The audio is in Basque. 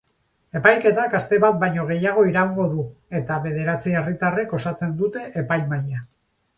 Epaiketak aste bat baino gehiago iraungo du eta bederatzi herritarrek osatzen dute epaimahaia.